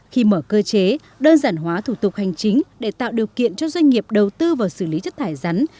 khi mở cơ chế đơn giản hóa thủ tục hành chính để tạo điều kiện cho doanh nghiệp đầu tư vào xử lý chất thải rắn